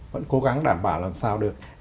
vẫn cố gắng đảm bảo làm sao được